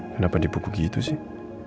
kenapa di buku gitu sih